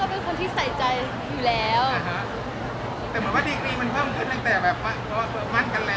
เหมือนย่าใส่ใจเรื่องความรักมากขึ้นเนอะ